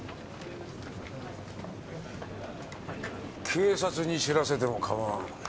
「警察に知らせても構わん」